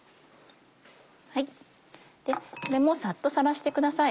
これもうサッとさらしてください。